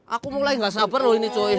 aku mulai gak sabar loh ini join